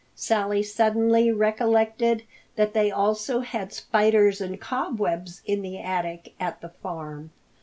Sally suddenly recollected that they also had spiders and cobwebs in the attic at the farm.